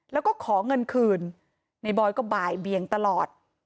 แล้วก็ขอเงินคืนในบอยก็บ่ายเบียงตลอด